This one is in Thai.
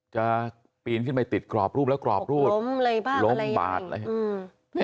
จะปีนขึ้นไปติดกรอบรูปแล้วกรอบรูปหกล้มอะไรบ้างล้มบาดอะไร